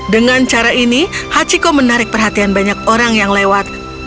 dengan cara ini hachiko menarik perhatian banyak orang yang lewat